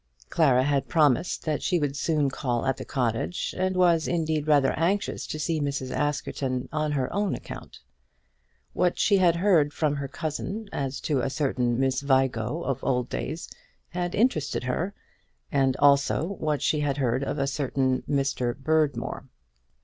Clara had promised that she would soon call at the cottage, and was, indeed, rather anxious to see Mrs. Askerton on her own account. What she had heard from her cousin as to a certain Miss Vigo of old days had interested her, and also what she had heard of a certain Mr. Berdmore.